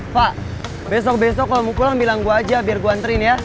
fa besok besok kalo mau pulang bilang gue aja biar gue anterin ya